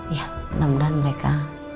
ya mudah mudahan mereka